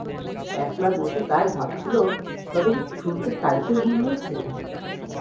একলা বসে তাই ভাবছিল–তবে কি শুনতে তারিখের ভুল হয়েছে।